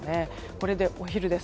これで、お昼です。